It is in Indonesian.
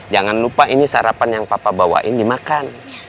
jangan lupa ini sarapan yang papa bawain dimakan